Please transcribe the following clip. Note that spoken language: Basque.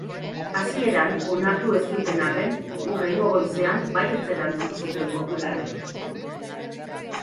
Hasieran onartu ez zuten arren, hurrengo goizean baietz erantzun zuten popularrek.